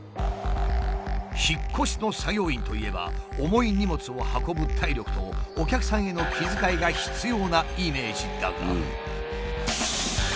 引っ越しの作業員といえば重い荷物を運ぶ体力とお客さんへの気遣いが必要なイメージだが。